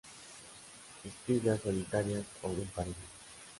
Espiguillas solitarias o en parejas.